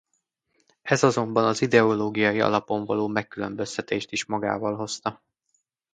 Ez azonban az ideológiai alapon való megkülönböztetést is magával hozta.